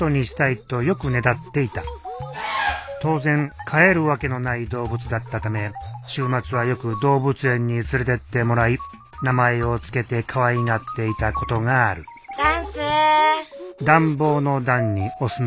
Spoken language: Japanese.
当然飼えるわけのない動物だったため週末はよく動物園に連れてってもらい名前を付けてかわいがっていたことがある暖酢。